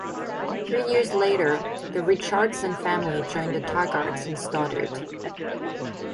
Three years later, the Richardson family joined the Taggarts in Stoddard.